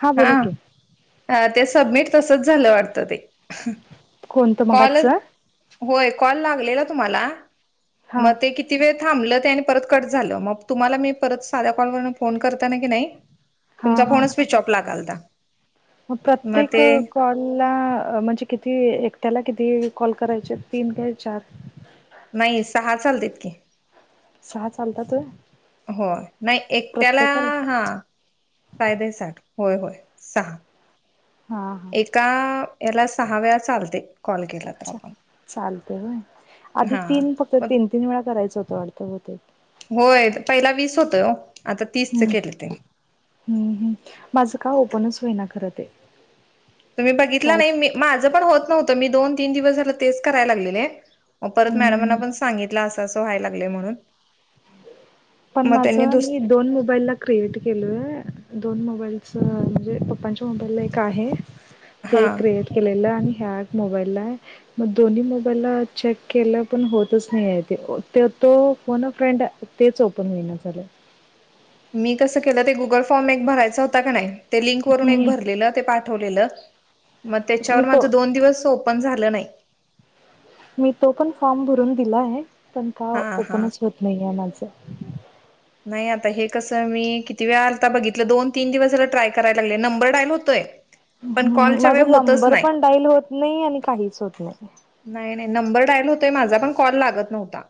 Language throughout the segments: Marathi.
हां बोला की अ ते सबमिट तसच झालं वाटत ते कोणतं कॉल मगाच होय कॉल लागलेला तुम्हाला हा मग ते कि किती वेळ थांबलं ते आणि परत कट झालं मग तुम्हाला मी परत साध्या कॉलवरून फोन करताना की नाही हा तुमचा हा फोन स्विच ऑफ लागालता मग प्रत्येक ते कॉल ला म्हणजे किती एकट्याला किती कॉल करायचे तीन काय चार? नाही सहा चालतत की सहा चालतातय होय नाही एकट्याला हा सायदे साठ होय, होय सहा हा का याला सहा वेळा चालतय कॉल केला तर चा आपण चालत बय आधी हा तीन फक्त मग तीन, तीन वेळा करायचं होतं वाटतं हो ते होय पहिला वीस होतोय हो आता तीसच हम्म केलं त्यांनी हम्म हम् माझं का ओपनच होय ना खरं ते तुम्ही बघितला कायच नाही माझं पण होत नव्हतं मी दोन तीन, दिवस झालं तेच कराय लागलेले परत मॅडमांना हम्म पण सांगितलं असं असं व्हाय लागलंय म्हणून. पण मग माझ त्यांनी दुस मी दोन मोबाईल ला क्रिएट केल दोन मोबाईलच म्हणजे पप्पांच्या मोबाईला एक आहे. ते हा क्रिएट केलेलं आणि ह्या मोबाईल ला म दोन्ही मोबाईलला चेक केलं पण होतच नाही आहे ते तो फोन ना फ्रेंड तेच ओपन होईना झालं मी कसं केलं ते गुगल फॉर्म एक भरायचा होता का नाही ते लिंकवरून एक मी भरलेलं ते पा ठेवलेल मग मी त्याच्यावर तो माझ दोन दिवस ओपन झालं नाही. मी तो पण फॉर्म भरून दिला आहे पण का हा हा ओपनच होत नाही आहे माझं नाही आता हे कसं मी किती वेळा आलता बघितलं दोन तीन दिवस झाल ट्राय कराय लागल नंबर डायल होतोय पण हम्म कॉलच्या माझा वेळी होतच नंबर नाही पण डाईल होत नाही आणि काहीच होत नाही. नाही नाही नंबर डायल होतोय माझा पण कॉल लागत नव्हता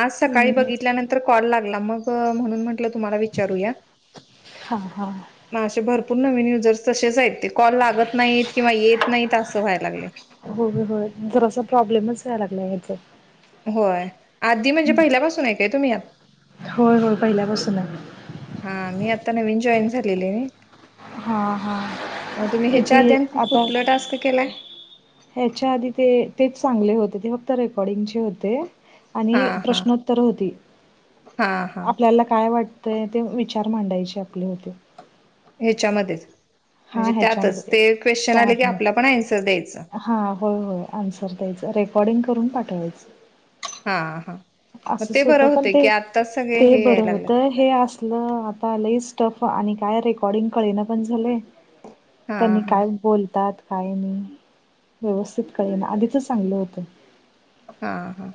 आज सकाळी हम्म. बघितल्यानंतर कॉल लागला म म्हणून म्हटलं तुम्हाला विचारूया हा हा म असे भरपूर नवीन युजर्स तसेच आहेत ते कॉल लागत नाहीत किंवा येत नाहीत असं व्हाय लागलय. होय होय जरासा प्रॉब्लेमच व्हाय लागलाय वाटत. होय आधी म्हणजे पहिल्यापासून आहे काय तुम्ही आत होय होय पहिल्यापासून आहे हा मी आता नवीन जॉईन झालेली आहे हा हा. मग तुम्ही ह्याच्या आधी किती आणि आता कुठला टास्क केलाय ह्याच्या आधी ते तेच चांगले होते ते फक्त रेकॉर्डिंगचे होते आणि हा हा प्रश्नोत्तर होती हा हा आपल्याला काय वाट तर ते विचार मांडायचे आपले होते ह्याच्यामध्येच हा म्हणजे ह्याच्यामध्ये त्यातच ते क्वेश्चन त्या आले की आतमध्ये आपला आपण अन्सर द्यायचं हा होय होय आन्सर द्यायचं रेकॉर्डिंग करून पाठवायचं. हा हा मग असच ते बरं होतं पण होते की ते आत्ताच सगळे ते हे बरं यायला होत लागलेत हे असलं आता स्टफ आणि काय रेकॉर्डिंग कळेना पण झालय. हा त्यांनी हा काय बोलतात काय नाही व्यवस्थित कळेना आधीचच चांगलं होतं हा हा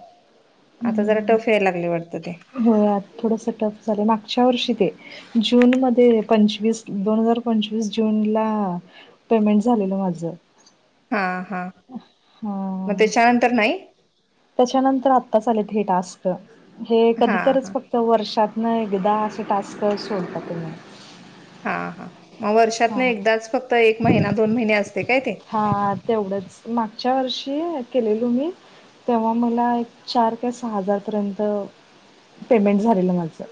आता जरा टफ यायला लागत वाटत ते होय आत थोडंसं टप झालं मागच्या वर्षी ते जून मध्ये पंचवीस, दोन हजार पंचवीस जून ला पेमेंट झालेलं माझं हा हा मग हां. त्याच्यानंतर नाही. त्याच्यानंतर आताचं आले हे टास्क हे हा कधीतरच हा फक्त तर वर्षातन एकदा असं टास्क सोडतात तेनी हा हा मग वर्षात न हां. एकदाच फक्त एक महिना दोन महिने असते काय ते हा तेवढंच मागच्या वर्षी केलेलो मी तेव्हा मला एक चार क सहा हजारपर्यंत पेमेंट झालेलं माझं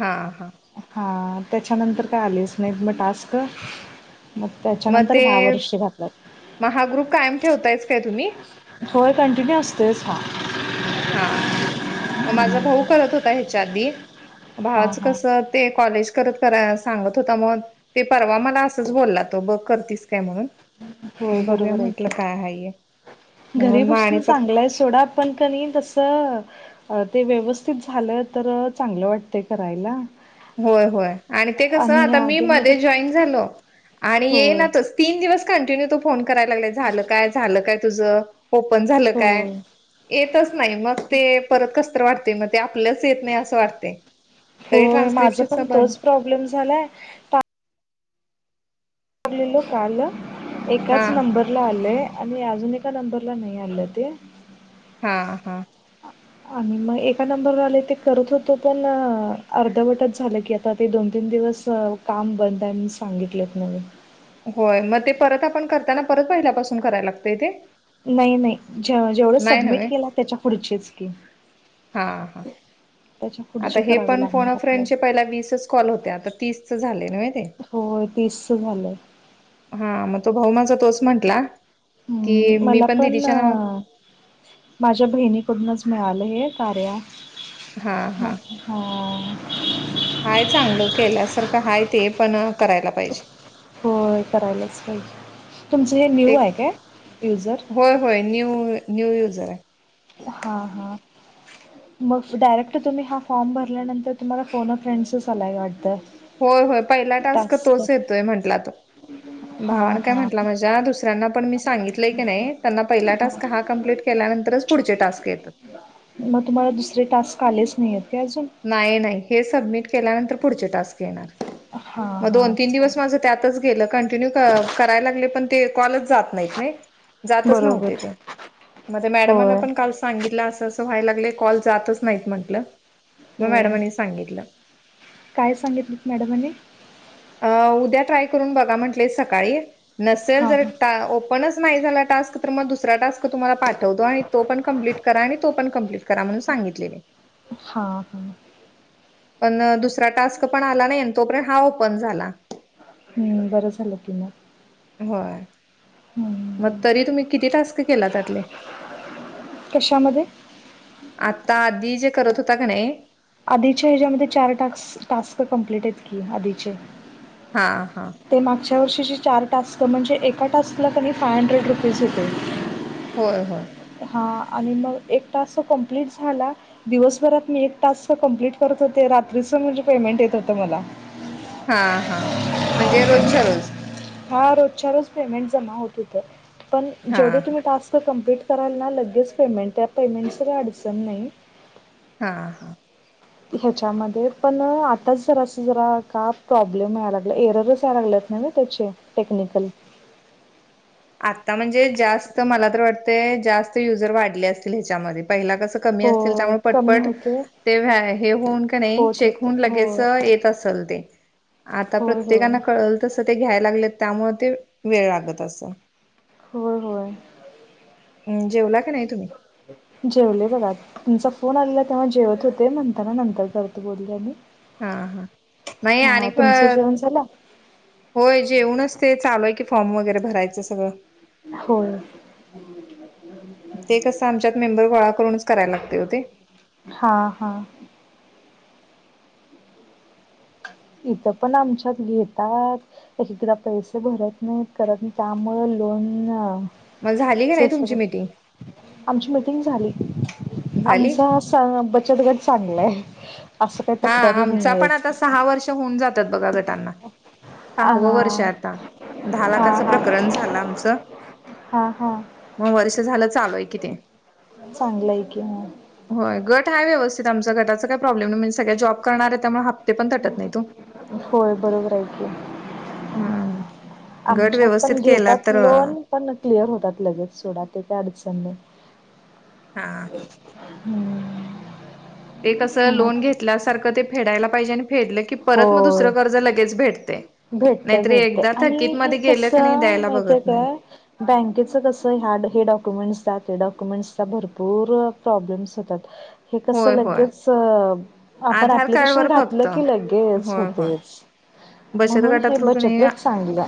हा हा हा त्याच्यानंतर काय आलेच नाहीत टास्क मग मग त्याच्यानंतर ते ह्या वर्षी घातलात मग हा ग्रुप कायम ठेवतायस काय तुम्ही? होय कंटीन्यू असतेच हा हा हा मग माझा भाऊ करत होता ह्याच्या आधी हा भावाच हा कसं ते कॉलेज कर सांगत होता मग ते परवा मला असंच बोलला तो बघ करतीस काय म्हणून होय मग बघूया बरोबर हाय म्हटलं की. काय हाय घरी म्हणून मग आणि बसून परत चांगल हाय सोडा. पण कनई तसं अ ते व्यवस्थित झालं तर चांगलं वाटतं करायला. होय होय आणि ते कस आणि आता मी आधी मध्ये जॉईन झालो. आणि होय येईनातच तीन दिवस कंटिन्यू तू फोन करायला लागला झालं काय झालं काय तुझं ओपन झालं काय? होय येतच नाही, मग ते परत कसतरी वाटतंय. मग ते आपलंच येत नाही असं वाटतंय. तरी होय ट्रानस माझं पण तोच प्रॉब्लेम झालाय. [unintelligible] काल हा एकाच नंबर ला आलंय आणि अजून एका नंबरला नाही आलं ते. हा, हा. आणि मग एका नंबरवर आले ते करत होतो, पण अ अर्धवटच झालं की आता ते दोन तीन दिवस. तर काम बंद आहे म्हणून सांगितलेत म्हणे. होय, मग ते परत आपण करताना परत पहिल्यापासून कराय लागतय ते? नाही, नाही. जे-जेवढं नाही नव्हे सबमिट केला त्याच्या पुढचीच की. हा हा त्याच्या आता पुढचे हे करावे पण फोन अ लागणार फ्रेंडचे आपल्याला पहिला वीसच कॉल होते, आता तीसच झालंय नव्हे ते. होय तीस झालंय. हा मग तो भाऊ माझा तोच म्हंटला, की हम्म मी मला पण दिदीच्या नाव माझ्या बहिणीकडूनच मिळालं हे कार्या हा, हा आहे चांगलं केल्यासारखं आहे ते, पण करायला पाहिजे. होय करायलाच पाहिजे. तुमचं हे ते न्यू आहे काय युजर? होय होय. न्यू-न्यू युजर आहे. हा, हा. मग डायरेक्ट तुम्ही हा फॉर्म भरल्यानंतर तुम्हाला फोन फ्रेंड्सच आलाय वाटतं. होय, होय पहिला टास्क तोच येतोय म्हटला तो हा भावन काय हा म्हटला माझ्या दुस दुसऱ्यांना पण मी सांगितलंय की नाही, त्यांना पहिला टास्क हा कंप्लीट केल्यानंतरच पुढचे टास्क येतात. मग तुम्हाला दुसरे टास्क आलेच नाहीयेत का अजून? नाही, नाही. हे सबमिट केल्यानंतर पुढचे टास्क येणार. हा मग हा दोन तीन अच्छा. दिवस माझं त्यातच गेलं कंटिन्यू क-करायला लागले, पण ते कॉलच जात माहित नाही जातच बरोबर नव्हते ते, मग मॅडमांना होय पण काल सांगितलं असं असं व्हायला लागले कॉल जातच नाहीत म्हंटलं, मग होय मॅडमांनी सांगितलं‌. काय सांगितलंत मॅडमांनी? अ उद्या ट्राय करून बघा म्हंटले सकाळी, नसेल हा जर हा टा ओ पणच नाही झाला टास्क, तर मग दुसरा टास्क तुम्हाला पा ठवतो आणि तो पण कंप्लीट करा आणि तो पण कंप्लीट करा म्हणून सांगितलेले. हा हा पण दुसरा टास्क पण आला नाही आणि तोपर्यंत हा ओपन झाला. हम्म बरं झालं की मग. होय. मग हम्म तरी तुम्ही किती टास्क केला त्यातले? कशामध्ये? आता आधी जे करत होता का नाही आधीच्या ह्याच्यामध्ये चार टाक्स टास्क कम्प्लीट आहेत की आधीचे. हा, हा. ते मागच्या वर्षीची चार टास्क म्हणजे एका टास्कला कनई फाईव हंड्रेड रुपीज होते. होय, होय. हा आणि मग एक टास्क तर कम्प्लीट झाला दिवसभरात मी एक टास्क कंप्लीट करत होते, रात्रीच म्हणजे पेमेंट येत होतं मला. हा, हा. म्हणजे रोजच्या रोज? हा रोजच्या रोज पेमेंट जमा होत हुतं. पण हा जेवढे तुम्ही टास्क कंप्लीट तराल ना लगेच पेमेंट आहे पेमेंटचा काय अडचण नाही. हा हा. ह्याच्यामध्ये पण आताच जरासं जरा का प्रॉब्लेम यायला लागलंय. एररच यायला लागल्यात. नाही त्याचे टेक्निकल आता म्हणजे जास्त मला तर वाटतय जास्त युजर वाढले असतील ह्याच्यामध्ये पहिला कसं कमी असतील होय, त्यामुळे कमी पटपट होते. ते व हाय हे होऊन क नाही होत चेक होतं. होऊन लगेच होय. येत असल ते. आता होय, होय. प्रत्येकाना कळल तसं ते घ्यायला लागले त्यामुळे ते वेळ लागत असं. हो हो. म जेवला क नाय तुम्ही? जेवले गं बाद तुमचा फोन आलेला तेव्हा जेवत होते म्हणताना नंतर करतो बोल्या मी. हा हा नाही आणि फक जेवण झालं? होय जेऊनच ते चालूय की फॉर्म वगैरे भरायचं सगळं. होय. ते कसं आमच्यात मेंबर गोळा करूनच कराय लागते हो ते. हा हा. इथं पण आमच्यात घेतात. तशी त्र्या पैशे भरत नाही करत त्यामुळं लोन अ मग झाली का [unintelligible] नाही गं तुमची मिटिंग आमची मिटिंग झाली झाली आमचा च बचत गट चांगलं आहे असं काही हा तक्रारी नाही आमचा आहे. पण आता सहा वर्ष होऊन जातात बघा गटांना. हा सहावं वर्षआहे आता दहा लाखाचं हा हा प्रकरण झालं आमचं. हा हा. मग वर्ष झालं चालूय कि ते. चांगलंय कि म. होय गट आहे व्यवस्थित आमचा गटाचा काय प्रॉब्लेम नाही म्हणजे सगळ्या जॉब करणार आहे त्यामुळे हप्ते पण तटत नाही तो. होय बरोबर आहे की. हम्म गट आमच्यात व्यवस्थित पण केला घेतात तर लोन. पण न क्लिअर होतात लगेच सोडा ते काय अडचन नाय. हा हा. हम्म ते कसं लोन मग घेतल्यासारखं ते फेडायला पाहिजे आणि फेडलं की परत मग दुसरं कर्ज लगेच भेटते. भेटतं नाहीतरी भेटतं एकदा आणि थकीत हे मध्ये गेलं कसं का नाही आहे द्यायला माहित बघत नाही काय बँकेचं कसं आहे हा हे डॉक्युमेंट्स द्या डॉक्युमेंट्सचा भरपूर प्रॉब्लेम्स होतात. हे कस होय होय लगेच अ आपण आधार कार्ड ऍप्लिकेशन वर घातलं फक्त की लगेच होय होय होतेच. बचत म्हणून हे गटात बचत रुगणेया गट चांगलं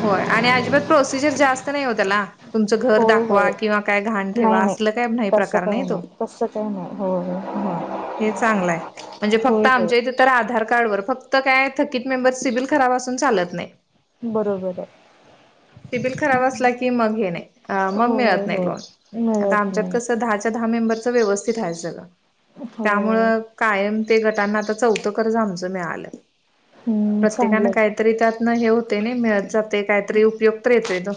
होय आणि अजिबात प्रोसिजर जास्त नाही हो त्याला. तुमचं घर होय दाखवा होय किंवा काय घाण ठेवा नाही नाही असलं काय नाही तसं प्रकार नाही काही तो. तसं काही नाही होय होय म हे चांगलं आहे म्हणजे फक्त होय होय आमच्या इथं तर आधार कार्ड वर फक्त काय थकीत मेंबर सिबिल खराब असून चालत नाही. बरोबर आहे. ते सीबिल खराब असला की मग हे नाही अ मग मिळत होय नाही होय लोन. आता मिळत आमच्यात नाही कसं दहाच्या दहा मेंबरच व्यवस्थित आहे सगळं हो त्यामुळं कायम ते गटांना आता चौथं कर्जा आमचं मिळालंय. हम्म चांगलं प्रत्येकानं आहे काहीतरी त्यातनं हे होते नाही मिळत जाते काहीतरी उपयोग तर येतोय तो.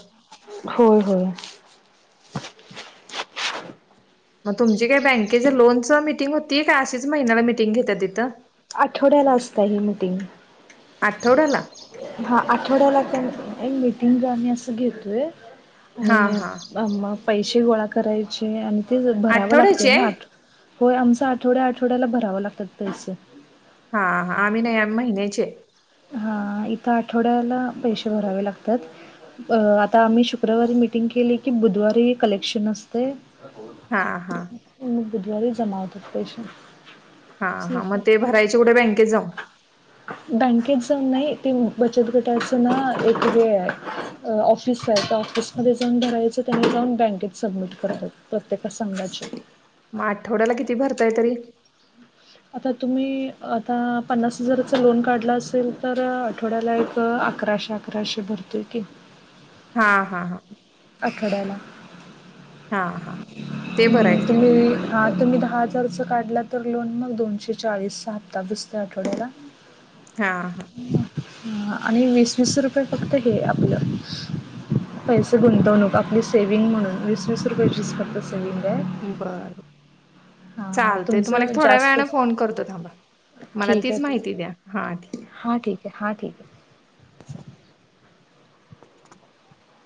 हो होया. म तुमची काही बँकेच्या लोनचा मिटिंग होती का अशीच महिन्याला मिटिंग घेत्या तिथं? आठवड्याला असतय हे. आठवड्याला हा आठवड्याला त्यां एक मीटिंग आम्ही असं घेतोय. हा आणि हा अ म पैशे गोळा करायचे आणि ते भरावं लागतय आठवड्याची ना आहे आठ होय आमचं आठवड्या आठवड्याला भरावं लागतात पैशे. हा हा आम्ही नाय आम्ही महिन्याचे हा एक आठवड्याला पैसे भरावे लागतात अ आता आम्ही शुक्रवारी मिटिंग केली की बुधवारी कलेक्शन असतय हा, हा म बुधवारी जमा होते पैशे हा, हा मग ते भरायचे कुढे बँकेत जाऊन बँक नाही ते बचत गटाच ना एक वेळ ऑफिस आहे ऑफिस मध्ये जाऊन भरायचं त्यांनी जाऊन बँकेत सबमिट करतात प्रत्येका संघाचे आठवड्याला किती भरताय तरी आता तुम्ही आता पन्नास हजारचा लोन काढला असेल तर ठोड्याला एक अकराशे, अकराशे भरते की हा, हा आठड्याला हा, हा ते बरं हम्म आहे की तुम्ही मग हा तुम्ही दहा खर्च काढला तर लोन मग दोनशे चाळीसचा हप्ता दुसते आठवड्याला हा आणि वीस, वीस रुपये फक्त हे आपलं पैसे गुंतवणूक आपली सेव्हिंग म्हणून वीस, वीस रुपयाेचीच फक्त सेविहंगय बर चालते तुम्हाला एक तुमचं थोड्या वेळने जास्तच फोन करतो थांबा मला ठीक आहे तीच ठीक माहिती द्या हा ठीक हां ठीक आहे, हां ठीक आहे [inaudible]